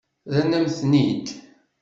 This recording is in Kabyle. Rran-am-ten-id.